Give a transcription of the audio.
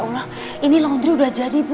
ya ulang ini laundry sudah jadi bu